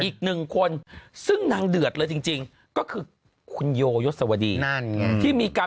อีกหนึ่งคนซึ่งนางเดือดเลยจริงก็คือคุณโยยศวดีนั่นไงที่มีการ